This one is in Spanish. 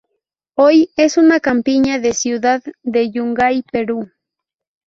Hoy es una campiña de ciudad de Yungay, Perú.